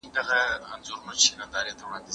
ما په چټکۍ سره ټلیفون راواخيست.